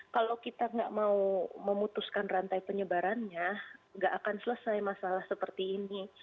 kalau kita nggak mau memutuskan rantai penyebarannya nggak akan selesai masalah seperti ini